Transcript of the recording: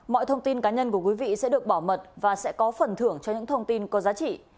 mọi thông tin cá nhân của quý vị sẽ được bảo mật và sẽ có phần thưởng cho những thông tin có giá trị